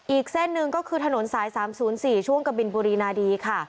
อีกเส้นหนึ่งก็คือถนนสาย๓๐๔ช่วงกะบินบุรีนาดีค่ะ